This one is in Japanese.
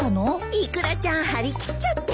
イクラちゃん張り切っちゃって。